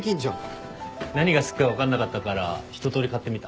何が好きか分かんなかったから一通り買ってみた。